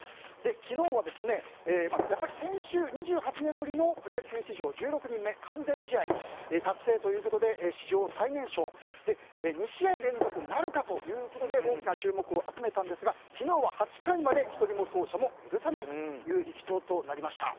昨日は先週２８年ぶりのプロ野球史上１８人目、完全試合史上最年少２試合連続なるかということで大きな注目を集めたんですが昨日は８回まで１人の走者も許さないという力投となりました。